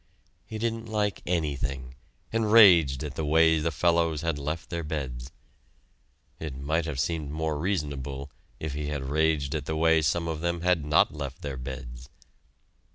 He didn't like anything, and raged at the way the fellows had left their beds. It might have seemed more reasonable, if he had raged at the way some of them had not left their beds!